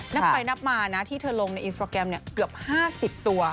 นับไปนับมานะที่เธอลงในอินสตราแกรมเกือบ๕๐ตัว